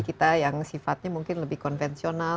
kita yang sifatnya mungkin lebih konvensional